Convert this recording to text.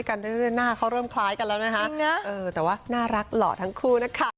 ตอนนี้ก็พยายามเพิ่มให้ตัวใหญ่ขึ้นนิดหนึ่งครับ